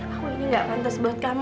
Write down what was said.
aku ini gak pantas buat kamu